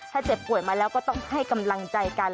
ถ้าเจ็บป่วยมาแล้วก็ต้องให้กำลังใจกัน